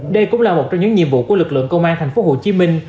đây cũng là một trong những nhiệm vụ của lực lượng công an thành phố hồ chí minh